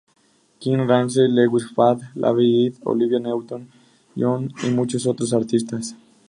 King, Ramsey Lewis, Patti Labelle, Olivia Newton-John, y muchos otros artistas.